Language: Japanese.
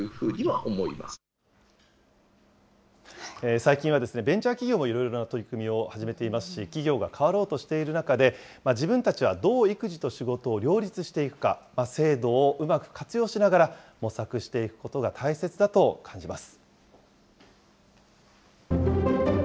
最近はベンチャー企業もいろいろな取り組みを始めていますし、企業が変わろうとしている中で、自分たちはどう育児と仕事を両立していくか、制度をうまく活用しながら模索していくことが大切だと感じます。